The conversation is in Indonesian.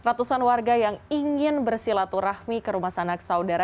ratusan warga yang ingin bersilaturahmi ke rumah sanak saudara